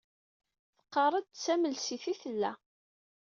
Teqqar-d d tamelsit i tella.